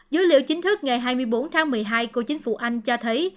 dữ liệu chính thức ngày hai mươi bốn tháng một mươi hai của chính phủ anh cho thấy